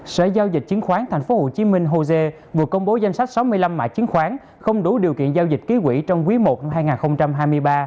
sở giao dịch chiến khoán tp hcm hồ dê vừa công bố danh sách sáu mươi năm mã chiến khoán không đủ điều kiện giao dịch ký quỹ trong quý i năm hai nghìn hai mươi ba